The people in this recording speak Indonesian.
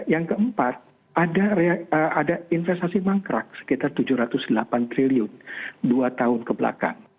yang keempat ada investasi mangkrak sekitar tujuh ratus delapan triliun dua tahun kebelakang